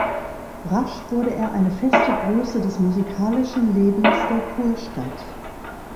Rasch wurde er eine feste Größe des musikalischen Lebens der Kurstadt.